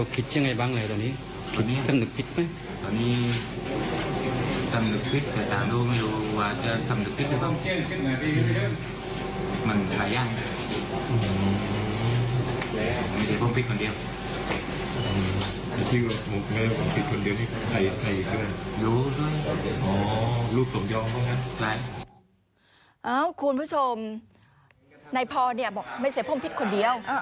คุณผู้ชมในพอบอกว่าไม่ใช่พงพิษคนเดียว